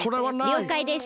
りょうかいです。